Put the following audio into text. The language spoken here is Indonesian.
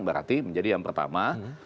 berarti menjadi yang pertama